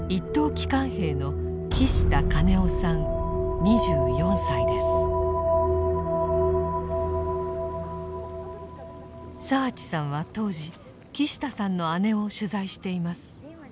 機関兵の澤地さんは当時木下さんの姉を取材しています。